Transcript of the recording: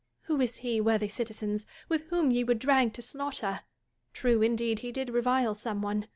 Who is he, worthy citizens, whom ye would drag to slaughter % True, indeed, he did revile some one.